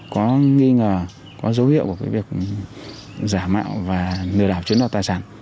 có nghi ngờ có dấu hiệu của cái việc giả mạo và lừa đảo chiếm đoạt tài sản